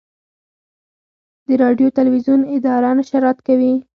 د راډیو تلویزیون اداره نشرات کوي